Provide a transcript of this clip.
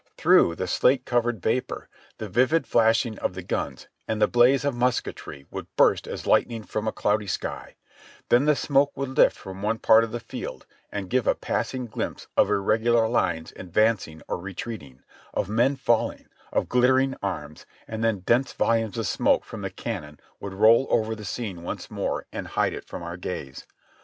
Through the slate colored vapor the vivid flashing of the guns and blaze of musketry would burst as lightning from a cloudy sky; then the smoke would lift from one part of the field, and give a passing glimpse of irregular lines ad vancing or retreating, of men falling, of glittering arms, and then dense volumes of smoke from the cannon would roll over the scene once more and hide it from our gaze.